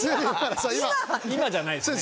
今じゃないですよね。